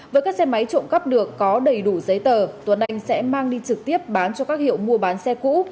với các xe máy trộm cắp được có đầy đủ giấy tờ tuấn anh sẽ mang đi trực tiếp bán cho các hiệu mua bán xe cũ